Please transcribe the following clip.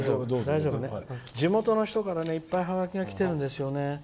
地元の人からいっぱいハガキが来てるんですよね。